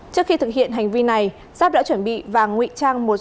trước khi thực hiện hành vi này giáp đã chuẩn bị vàng nguy trang